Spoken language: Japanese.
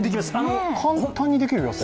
簡単にできるやつ。